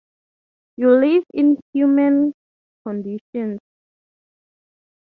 You live in inhumane conditions.